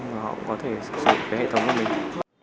họ có thể sử dụng cái hệ thống của mình